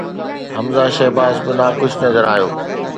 حمزه شهباز به ناخوش نظر آيو.